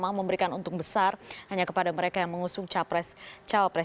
memang memberikan untung besar hanya kepada mereka yang mengusung capres